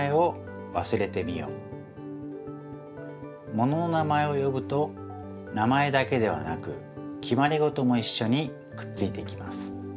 ものの名前をよぶと名前だけではなく決まりごともいっしょにくっついてきます。